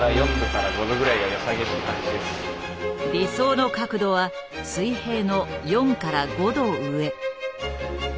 理想の角度は水平の４から５度上。